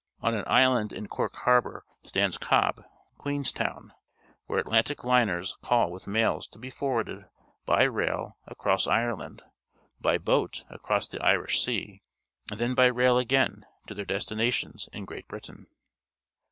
On an island in Cork Harbour stands Cobh (Queenstown), where Atlantic liners call with mails to be forwarded by rail across Ireland, by boat across the Irish Sea, and then by rail again to their destinations in Great Britain.